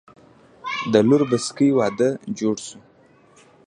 د لور بسکي وادۀ جوړ شو